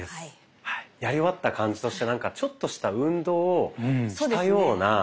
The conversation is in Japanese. やり終わった感じとしてなんかちょっとした運動をしたような。